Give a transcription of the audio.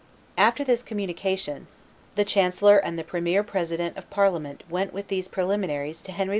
After this communication, the chancellor and the premier president of parliament went with these preliminaries to Henry V.